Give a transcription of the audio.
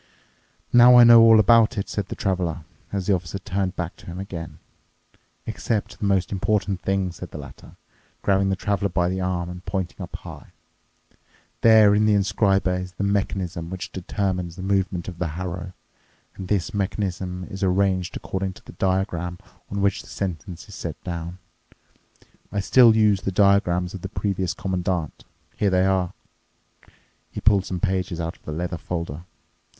"Now I know all about it," said the Traveler, as the Officer turned back to him again. "Except the most important thing," said the latter, grabbing the Traveler by the arm and pointing up high. "There in the inscriber is the mechanism which determines the movement of the harrow, and this mechanism is arranged according to the diagram on which the sentence is set down. I still use the diagrams of the previous Commandant. Here they are." He pulled some pages out of the leather folder.